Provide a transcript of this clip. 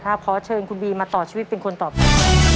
ขอเชิญคุณบีมาต่อชีวิตเป็นคนต่อไป